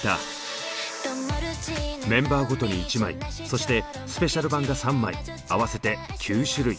メンバーごとに１枚そしてスペシャル版が３枚合わせて９種類。